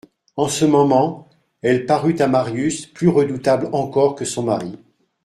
En ce moment elle parut à Marius plus redoutable encore que son mari.